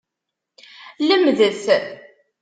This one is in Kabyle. Lemdet!